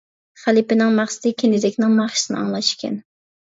خەلىپىنىڭ مەقسىتى كېنىزەكنىڭ ناخشىسىنى ئاڭلاش ئىكەن.